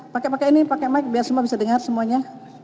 pakai pakai ini pakai mike biar semua bisa dengar semuanya